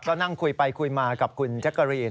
ก็นั่งคุยไปคุยมากับคุณแจ๊กกะรีน